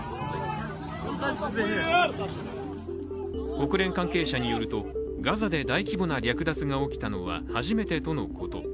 国連関係者によると、ガザで大規模な略奪が起きたのは初めてとのこと。